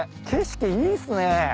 景色いいっすね。